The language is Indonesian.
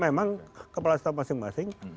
memang kepala staf masing masing